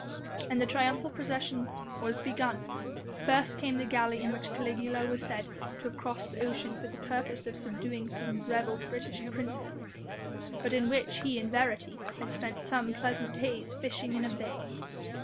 And the triumphal procession was begun. First came the galley in which Caligula was said to have crossed the ocean for the purpose of subduing some rebel British princes, but in which he in verity had spent some pleasant days fishing in the bay.